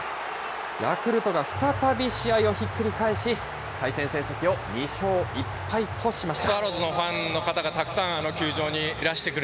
ヤクルトが再び試合をひっくり返し、対戦成績を２勝１敗としました。